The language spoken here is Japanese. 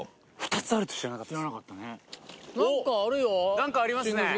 何かありますね。